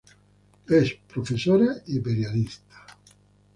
Es profesora y periodista.